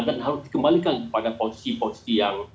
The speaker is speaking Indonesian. dan harus dikembalikan kepada posisi posisi yang